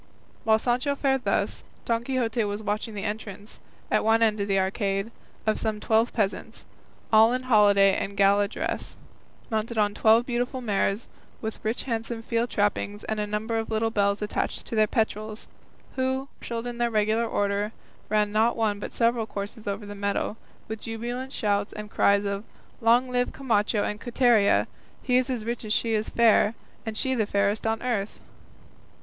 While Sancho fared thus, Don Quixote was watching the entrance, at one end of the arcade, of some twelve peasants, all in holiday and gala dress, mounted on twelve beautiful mares with rich handsome field trappings and a number of little bells attached to their petrals, who, marshalled in regular order, ran not one but several courses over the meadow, with jubilant shouts and cries of "Long live Camacho and Quiteria! he as rich as she is fair; and she the fairest on earth!"